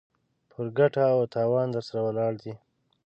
پر ګټه و تاوان درسره ولاړ دی.